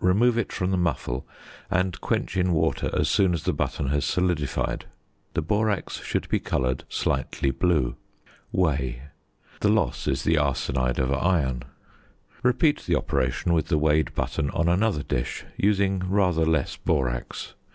Remove it from the muffle, and quench in water as soon as the button has solidified. The borax should be coloured slightly blue. Weigh: the loss is the arsenide of iron. Repeat the operation with the weighed button on another dish, using rather less borax.